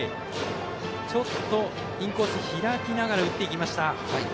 ちょっとインコース開きながら打っていきました。